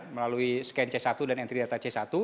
melalui scan c satu dan entry data c satu